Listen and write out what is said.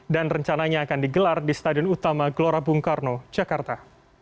dan rencananya akan digelar di stadion utama glorabung karno jakarta